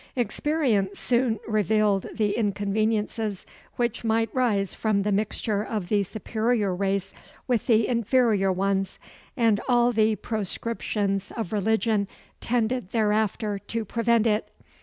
Experience soon revealed the inconveniences which might rise from the mixture of the superior race with the inferior ones, and all the proscriptions of religion tended thereafter to prevent it.